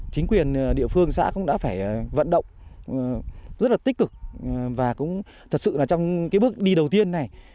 chính quyền địa phương xã cũng đã phải vận động rất là tích cực và cũng thật sự là trong cái bước đi đầu tiên này